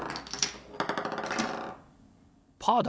パーだ！